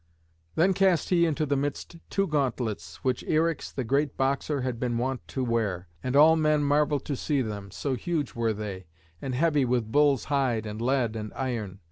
Then cast he into the midst two gauntlets which Eryx, the great boxer, had been wont to wear. And all men marvelled to see them, so huge were they, and heavy with bull's hide and lead and iron.